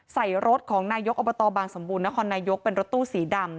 ใส่รถของนายกอบตบางสมบูรณครนายกเป็นรถตู้สีดำ